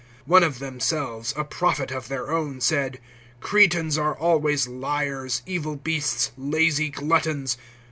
(12)One of themselves, a prophet of their own, said: Cretans are always liars, evil beasts, lazy gluttons.